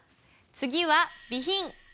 次は備品。